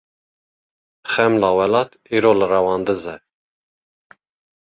Xemla Welat îro li Rewandiz e.